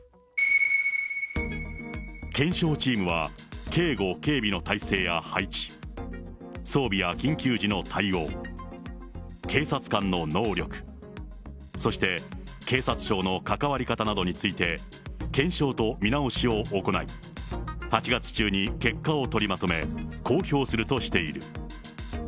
検証チームは警護・警備の体制や配置、装備や緊急時の対応、警察官の能力、そして警察庁の関わり方などについて、検証と見直しを行い、８月中に結果を取りまとめ、公表するとしている。